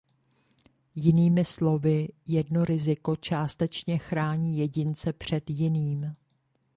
Jinými slovy jedno riziko částečně chrání jedince před jiným.